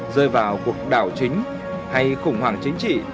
rơi vào cuộc đảo chính hay khủng hoảng chính trị